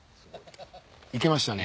いけましたね。